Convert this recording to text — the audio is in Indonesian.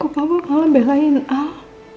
kenapa kamu malah melayani al